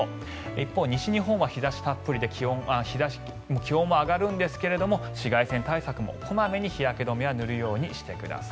一方、西日本は日差したっぷりで気温も上がるんですが紫外線対策も小まめに日焼け止めは塗るようにしてください。